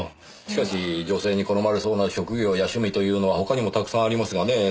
しかし女性に好まれそうな職業や趣味というのは他にもたくさんありますがねぇ。